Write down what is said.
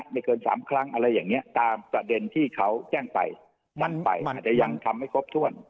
ไม่เกิน๓ครั้งอะไรอย่างนี้ตามประเด็นที่เขาแจ้งไปนั่นไปอาจจะยังทำไม่ครบถ้วน